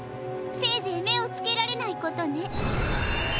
せいぜいめをつけられないことね。